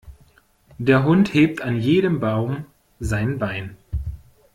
Der Hund hebt an jedem Baum sein Bein.